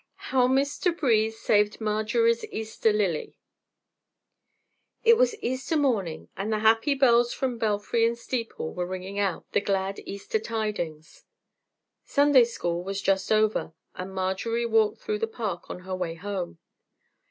How Mister Breeze Saved Marjorie's Easter Lily It was Easter morning and the happy bells from belfry and steeple were ringing out the glad Easter tidings. Sunday School was just over and Marjorie walked through the Park on her way home.